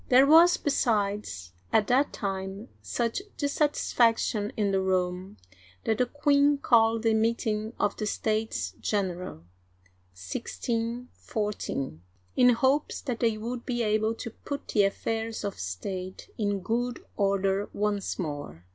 There was, besides, at that time, such dissatisfaction in the realm, that the queen called a meeting of the States General (1614) in hopes that they would be able to put the affairs of state in good order once more.